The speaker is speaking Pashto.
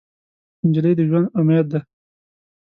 نجلۍ د ژونده امید ده.